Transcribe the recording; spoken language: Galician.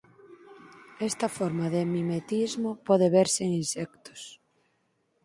Esta forma de mimetismo pode verse en insectos.